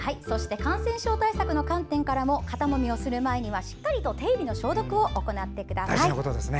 感染症対策の観点からも肩もみをする前にはしっかりと手指の消毒を行ってください。